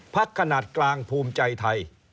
ขนาดกลางภูมิใจไทย